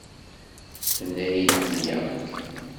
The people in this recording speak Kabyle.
Tenna-yi-d ḥemmleɣ-k.